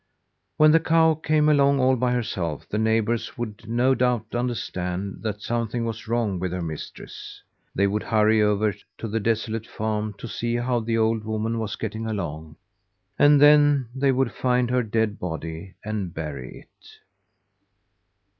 When the cow came along all by herself the neighbours would no doubt understand that something was wrong with her mistress. They would hurry over to the desolate farm to see how the old woman was getting along, and then they would find her dead body and bury it.